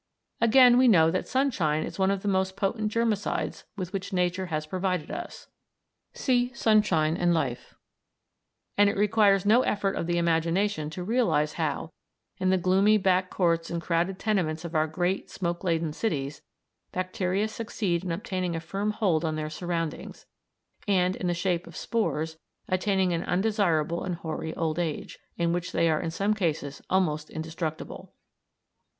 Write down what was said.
Again, we know that sunshine is one of the most potent germicides with which nature has provided us; and it requires no effort of the imagination to realise how, in the gloomy back courts and crowded tenements of our great smoke laden cities, bacteria succeed in obtaining a firm hold on their surroundings, and, in the shape of spores, attaining an undesirable and hoary old age, in which they are in some cases almost indestructible.